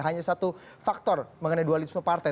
hanya satu faktor mengenai dualisme partai